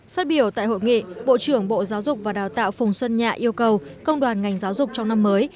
phát biểu tại hội nghị bộ trưởng bộ giáo dục và đào tạo phùng xuân nhạ yêu cầu công đoàn ngành giáo dục trong năm mới